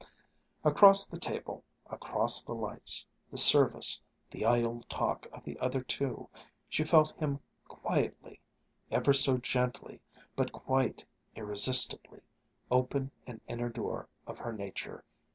Across the table, across the lights, the service, the idle talk of the other two, she felt him quietly, ever so gently but quite irresistibly, open an inner door of her nature